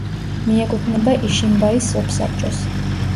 მიეკუთვნება იშიმბაის სოფსაბჭოს.